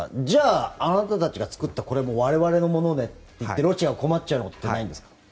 じゃあ、あなたたちが作ったこれも我々のものねと言ってロシアが困っちゃうことはないんですか？